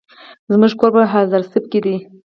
زموکور په هزاراسپ کی دي